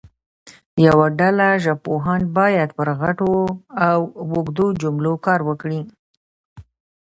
یوه ډله ژبپوهان باید پر غټو او اوږدو جملو کار وکړي.